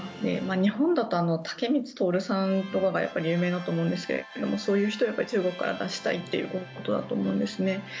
日本だと武光徹さんとかがやっぱり有名だと思うんですがそういう人を中国から出したいということだと思うんですね。